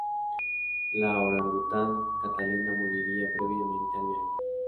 La orangután Catalina moriría previamente al viaje.